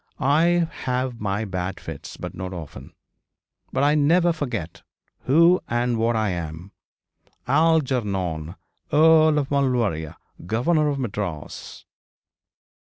I have my bad fits, but not often. But I never forget who and what I am, Algernon, Earl of Maulevrier, Governor of Madras.'